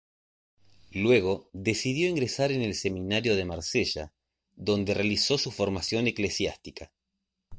Luego decidió ingresar en el Seminario de Marsella, donde realizó su formación eclesiástica.